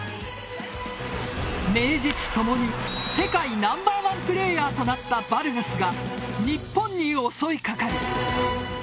名実共に世界ナンバー１プレーヤーとなったバルガスが日本に襲いかかる。